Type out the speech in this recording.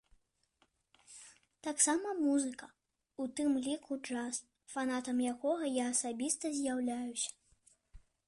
Таксама музыка, у тым ліку джаз, фанатам якога я асабіста з'яўляюся.